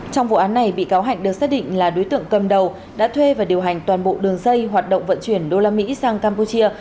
trong vụ án này bị cáo hạnh được xác định là đối tượng cầm đầu đã thuê và điều hành toàn bộ đường dây hoạt động vận chuyển đô la mỹ sang campuchia